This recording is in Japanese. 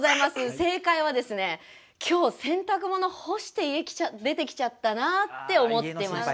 正解は今日、洗濯物干して家、出てきちゃったなと思ってました。